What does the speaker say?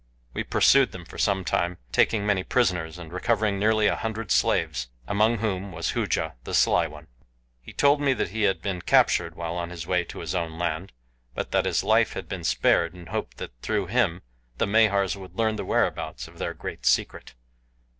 We pursued them for some time, taking many prisoners and recovering nearly a hundred slaves, among whom was Hooja the Sly One. He told me that he had been captured while on his way to his own land; but that his life had been spared in hope that through him the Mahars would learn the whereabouts of their Great Secret.